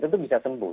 tentu bisa sembuh